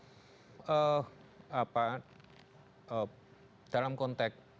apa apa dalam konteks